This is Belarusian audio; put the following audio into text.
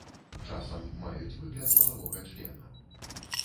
Часам маюць выгляд палавога члена.